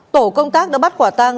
tổ công tác đã bắt quả tăng